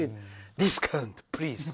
ディスカウントプリーズ！